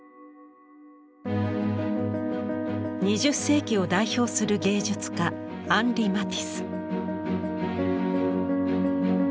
２０世紀を代表する芸術家アンリ・マティス。